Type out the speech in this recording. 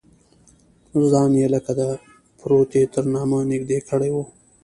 ځان یې لکه د پروتې تر نامه نږدې کړی و.